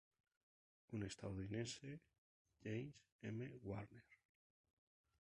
Un estadounidense: James M. Wagner.